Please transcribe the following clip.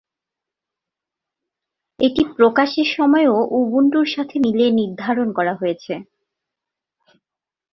এটি প্রকাশের সময়ও উবুন্টুর সাথে মিলিয়ে নির্ধারণ করা হয়েছে।